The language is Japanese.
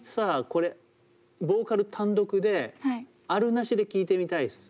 これボーカル単独であるなしで聴いてみたいです。